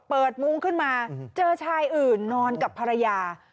มุ้งขึ้นมาเจอชายอื่นนอนกับภรรยา